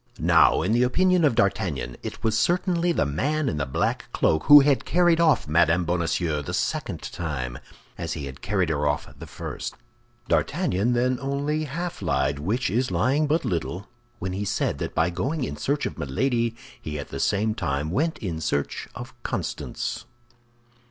Now, in the opinion of D'Artagnan, it was certainly the man in the black cloak who had carried off Mme. Bonacieux the second time, as he had carried her off the first. D'Artagnan then only half lied, which is lying but little, when he said that by going in search of Milady he at the same time went in search of Constance.